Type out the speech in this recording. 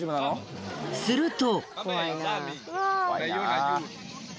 すると！